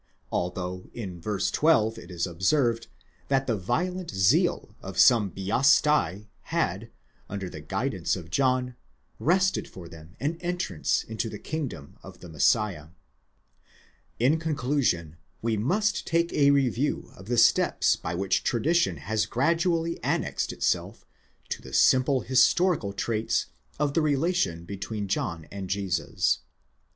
although inv. 12 it is observed, that the violent zeal of some βιασταὶ had, under the guidance of John, wrested for them an entrance into the kingdom of the Messiah.§ In conclusion, we must take a review of the steps by which tradition has gradually annexed itself to the simple historical traits of the relation between Johnand Jesus.